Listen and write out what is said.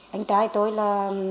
anh trai tôi là